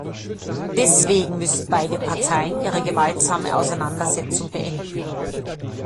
Deswegen müssen beide Parteien ihre gewaltsame Auseinandersetzung beenden.